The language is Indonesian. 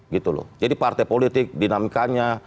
gitu loh jadi partai politik dinamikanya